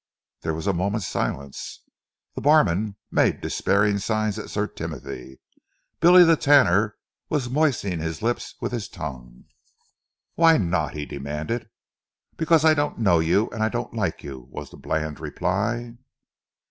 There was a moment's silence. The barman made despairing signs at Sir Timothy. Billy the Tanner was moistening his lips with his tongue. "Why not?" he demanded. "Because I don't know you and I don't like you," was the bland reply.